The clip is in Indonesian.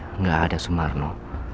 enggak ada sumarno